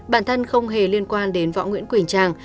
bản thân không hề liên quan đến võ nguyễn quỳnh trang